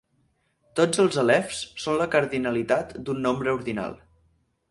Tots els àlefs són la cardinalitat d'un nombre ordinal.